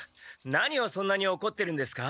何をそんなにおこってるんですか？